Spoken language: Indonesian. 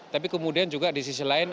tapi kemudian juga di sisi lain